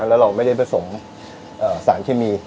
แล้วเราไม่ได้ผสมสารเคมี